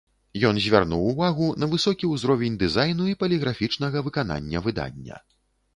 Ён звярнуў увагу на высокі ўзровень дызайну і паліграфічнага выканання выдання.